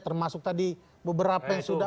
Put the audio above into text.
termasuk tadi beberapa yang sudah